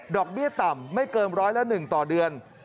ดอกเบี้ยต่ำไม่เกินร้อยละหนึ่งต่อเดือน